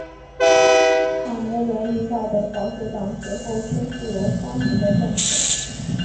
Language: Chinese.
卡梅伦领导的保守党随后宣布了相同的政策。